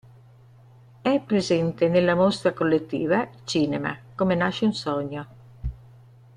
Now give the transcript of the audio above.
È presente nella mostra collettiva "Cinema: Come nasce un sogno.